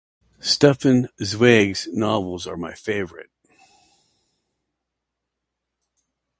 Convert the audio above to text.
Stefan Zweig's novels are my favorite.